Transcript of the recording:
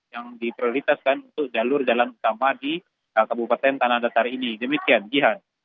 yang diprioritaskan untuk jalur jalan utama di kabupaten tanah datar ini demikian jihan